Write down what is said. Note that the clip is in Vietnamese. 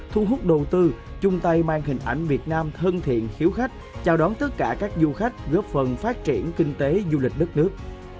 thu hút đầu tư chung tay mang hình ảnh việt nam thân thiện hiếu khách chào đón tất cả các du khách góp phần phát triển kinh tế du lịch đất nước